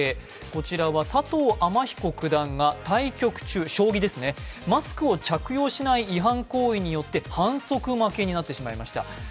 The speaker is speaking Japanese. こちらは佐藤天彦九段が将棋の対局中、マスクを着用しない違反行為によって反則負けになってしまいました。